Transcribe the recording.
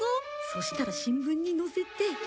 そしたら新聞に載せて。